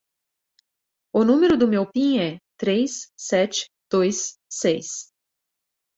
O número do meu pin é três, sete, dois, seis.